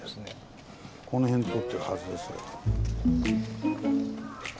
この辺通ってるはずですけど。